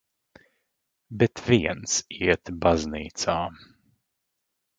Bet viens iet baznīcā.